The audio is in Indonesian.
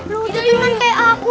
lo keturunan kayak aku ya